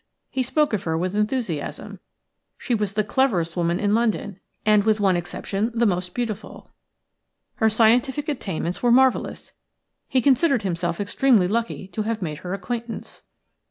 He spoke of her with enthusiasm. She was the cleverest woman in London, and, with one exception, the most beautiful. Her scientific attainments were marvellous. He considered himself extremely lucky to have made her acquaintance.